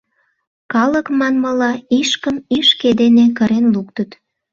— Калык манмыла, ишкым ишке дене кырен луктыт.